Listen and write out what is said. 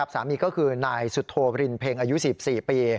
สามีก็คือนายสุโธรินเพ็งอายุ๑๔ปี